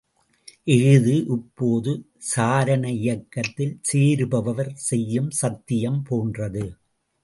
இஃது இப்போது சாரண இயக்கத்தில் சேருபவர் செய்யும் சத்தியம் போன்றது.